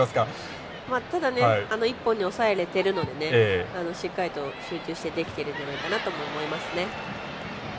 ただ１本に抑えているのでしっかりと集中してできてるんじゃないかなと思いますね。